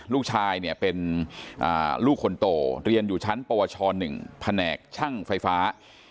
ลูกชายเนี่ยเป็นลูกคนโตเรียนอยู่ชั้นปวช๑แผนกช่างไฟฟ้า